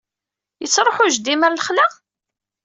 Yettṛuḥu jeddi-m ɣer lexla?